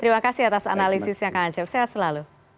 terima kasih atas analisisnya kak ngacep sehat selalu